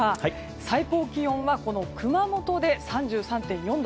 最高気温は熊本で３３．４度。